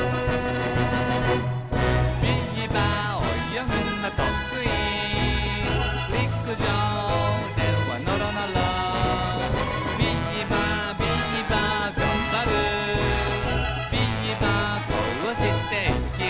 「ビーバーおよぐのとくい」「陸上ではのろのろ」「ビーバービーバーがんばる」「ビーバーこうして生きる」